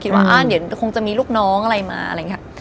ว่าเดี๋ยวคงจะมีลูกน้องอะไรมาอะไรอย่างนี้